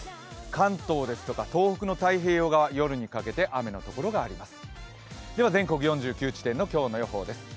関東ですとか東北の太平洋側、夜にかけて雨のところがあります。